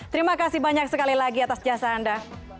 terima kasih banyak sekali lagi atas jasa anda